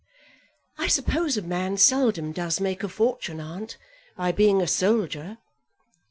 "I suppose a man seldom does make a fortune, aunt, by being a soldier?"